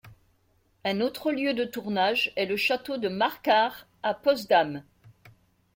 Un autre lieu de tournage est le château de Marquardt à Potsdam.